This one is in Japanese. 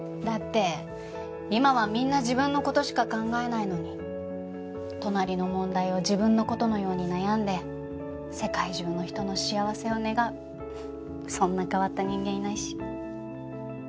だって今はみんな自分の事しか考えないのに隣の問題を自分の事のように悩んで世界中の人の幸せを願うそんな変わった人間いないし。